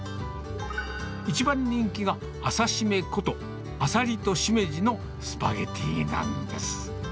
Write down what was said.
一番人気がアサシメこと、あさりとしめじのスパゲティなんです。